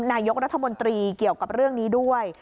นายกรัฐมนตรีเกี่ยวกับเรื่องนี้ด้วย